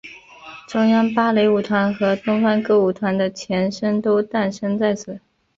中央芭蕾舞团和东方歌舞团的前身都诞生在此。